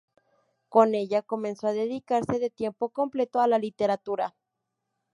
Con ella, comenzó a dedicarse de tiempo completo a la literatura.